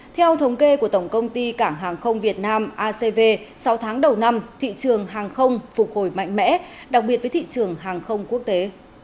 theo thống kê của tổng công ty cảng hàng không việt nam acv sau tháng đầu năm thị trường hàng không phục hồi mạnh mẽ đặc biệt với thị trường hàng không quốc tế